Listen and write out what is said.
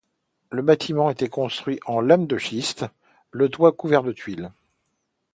Le bâtiment était construit en lames de schiste, le toit couvert de tuiles.